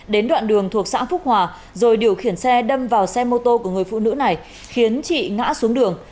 đến đoạn đường thuộc xã phúc hòa rồi điều khiển xe đâm vào xe mô tô của người phụ nữ này khiến chị ngã xuống đường